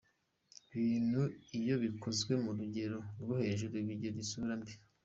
Ibintu iyo bikozwe ku rugero rwo hejuru bigira isura mbi.